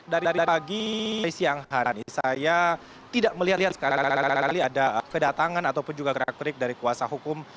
dari pagi siang hari saya tidak melihat lihat sekarang ada kedatangan ataupun juga gerak gerik dari kuasa hukum